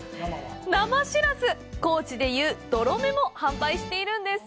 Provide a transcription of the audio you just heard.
生しらす、高知で言うドロメも販売しているんです。